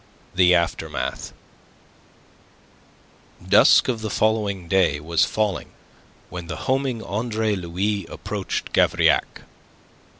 THE AFTERMATH Dusk of the following day was falling when the homing Andre Louis approached Gavrillac.